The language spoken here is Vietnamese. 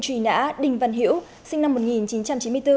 truy nã đinh văn hiễu sinh năm một nghìn chín trăm chín mươi bốn